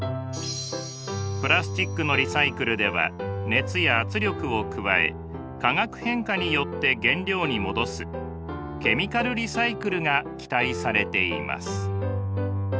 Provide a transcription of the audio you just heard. プラスチックのリサイクルでは熱や圧力を加え化学変化によって原料に戻すケミカルリサイクルが期待されています。